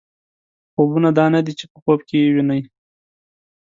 خوبونه دا نه دي چې په خوب کې یې وینئ.